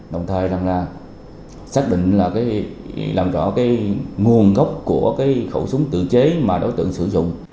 đồng thời xác định là làm rõ nguồn gốc của khẩu súng tự chế mà đối tượng sử dụng